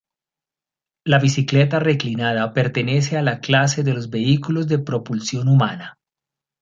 La bicicleta reclinada pertenece a la clase de los vehículos de propulsión humana.